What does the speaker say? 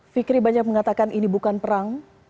fikri banyak mengatakan ini bukan perang